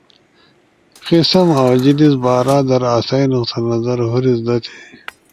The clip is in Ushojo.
قسم اؤ جنس بارا در آسئی نقطہ نظر ہور ازدا تھی۔